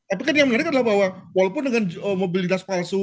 apakah yang menarik adalah bahwa walaupun dengan mobil dinas palsu